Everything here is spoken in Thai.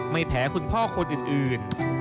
ไม่แพ้คุณพ่อคนอื่น